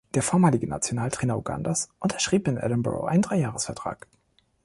Der vormalige Nationaltrainer Ugandas unterschrieb in Edinburgh einen Dreijahresvertrag.